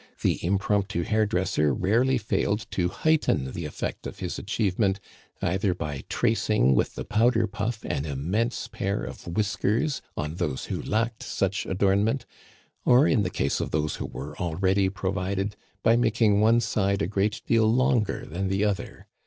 The impromptu hairdresser rarely failed to heighten the effect of his achievement, either by tracing with the powder puff an immense pair of whiskers on those who lacked such adornment, or, in the case of those who were already provided, by making one side a great deal longer than the other.